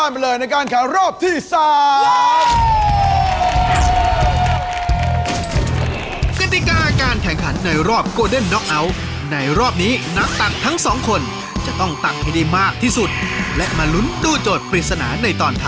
โปรดติดตามตอนต่อไป